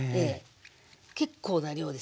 結構な量ですよね。